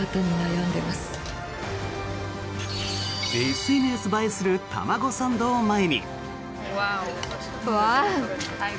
ＳＮＳ映えする卵サンドを前に。